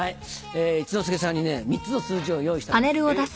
一之輔さんにね３つの数字を用意したんですが。